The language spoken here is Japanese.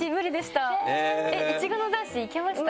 １軍の男子いけました？